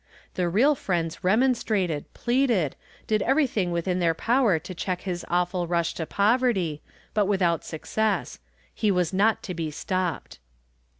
The real friends remonstrated, pleaded, did everything within their power to check his awful rush to poverty, but without success; he was not to be stopped.